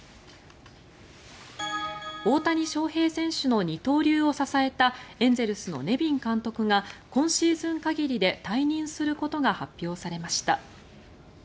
大谷翔平選手の二刀流を支えたエンゼルスのネビン監督が今シーズン限りで退任することが発表されました。